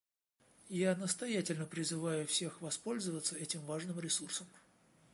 Я настоятельно призываю всех воспользоваться этим важным ресурсом.